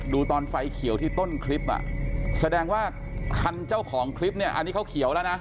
ดูตอนไฟเขียวที่ต้นคลิปอ่ะแสดงว่าคันเจ้าของคลิปเนี่ยอันนี้เขาเขียวแล้วนะ